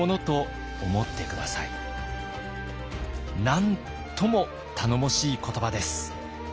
なんとも頼もしい言葉です。